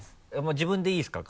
自分でいいですか？